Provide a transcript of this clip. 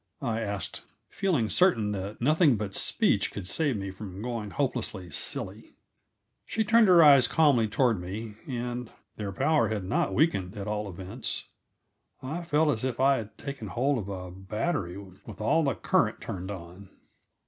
I asked, feeling certain that nothing but speech could save me from going hopelessly silly. She turned her eyes calmly toward me, and their power had not weakened, at all events. I felt as if I had taken hold of a battery with all the current turned on.